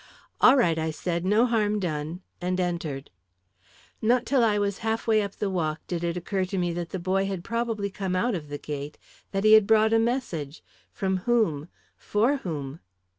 "All right," I said. "No harm done," and entered. Not till I was half way up the walk, did it occur to me that the boy had probably come out of the gate that he had brought a message from whom? for whom?